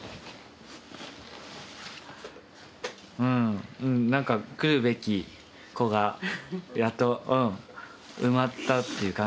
うんうんなんか来るべき子がやっと埋まったっていう感じがします。